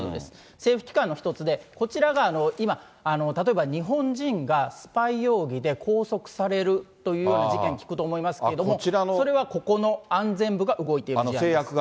政府機関の一つでこちらが例えば今、日本人がスパイ容疑で拘束されるというような事件、聞くと思いますけれども、それはここの安全部が動いています。